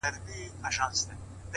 • ډنبار ډېر لږ عمر وکړ ,